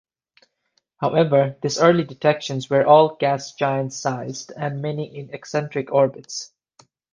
However these early detections were all gas giant sized, and many in eccentric orbits.